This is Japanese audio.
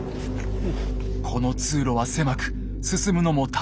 この通路は狭く進むのも大変！